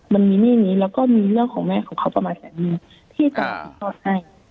มันมีหนี้นี้แล้วก็มีเรื่องของแม่ของเขาประมาณแสนนึงที่จะมาถ่ายทอดให้